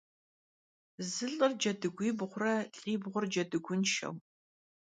Zı lh'ır cedıguibğure lh'ibğur cedıgunşşeu.